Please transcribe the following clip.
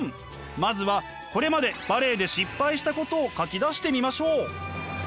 まずはこれまでバレエで失敗したことを書き出してみましょう。